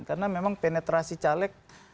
karena memang penetrasi caleg